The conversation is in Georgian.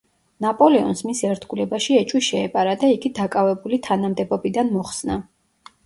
ნაპოლეონს მის ერთგულებაში ეჭვი შეეპარა და იგი დაკავებული თანამდებობებიდან მოხსნა.